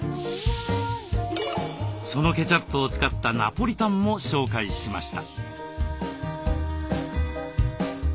そのケチャップを使ったナポリタンも紹介しました。